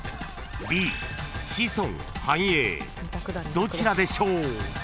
［どちらでしょう？］